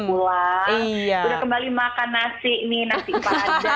sudah kembali makan nasi ini nasi pajang